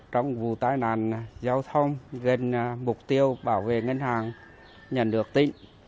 trong vụ tai nạn giao thông gần mục tiêu bảo vệ ngân hàng nhận được tin